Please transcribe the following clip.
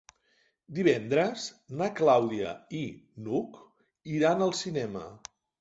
Divendres na Clàudia i n'Hug iran al cinema.